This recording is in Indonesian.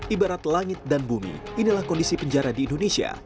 ibarat langit dan bumi inilah kondisi penjara di indonesia